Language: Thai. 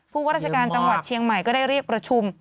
ว่าราชการจังหวัดเชียงใหม่ก็ได้เรียกประชุม